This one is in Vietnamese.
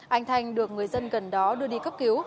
anh thanh được người dân gần đó đưa đi cấp cứu